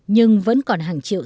nhưng vẫn còn hàng triệu